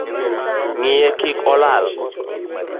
Ngiye kik olal